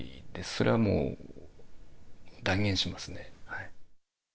それはもう断言しますね。